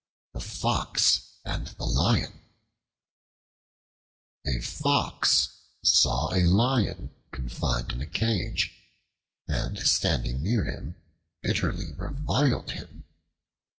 The Fox and the Lion A FOX saw a Lion confined in a cage, and standing near him, bitterly reviled him.